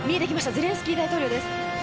ゼレンスキー大統領です。